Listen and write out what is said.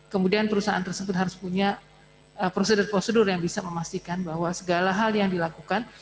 kemudian perusahaan tersebut harus punya prosedur prosedur yang bisa memastikan bahwa segala hal yang dilakukan